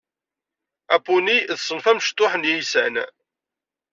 Apuni d ṣṣenf amecṭuḥ n yiysan.